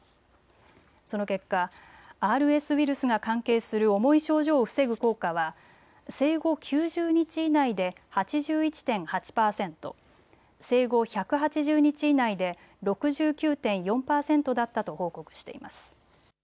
その結果、ＲＳウイルスが関係する重い症状を防ぐ効果は生後９０日以内で８１．８％、生後１８０日以内で６９．４％だったと報告しています。